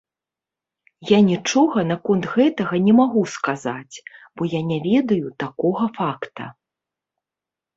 Я нічога наконт гэтага не магу сказаць, бо я не ведаю такога факта.